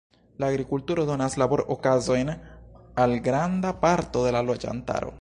La agrikulturo donas labor-okazojn al granda parto de la loĝantaro.